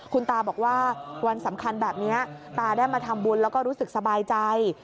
คุณตาบอกว่าวันสำคัญแบบนี้ตาได้มาทำบุญแล้วก็รู้สึกสบายใจ